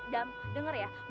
dam denger ya